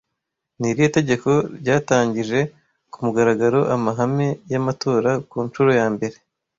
Ni irihe tegeko ryatangije ku mugaragaro amahame y'amatora ku nshuro ya mbere